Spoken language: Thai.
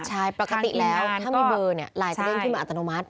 ใช่ปกติแล้วถ้ามีเบอร์ลายสะเด้งขึ้นมาอัตโนมัติ